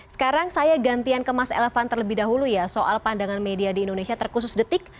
sekarang saya gantian ke mas elvan terlebih dahulu ya soal pandangan media di indonesia terkhusus detik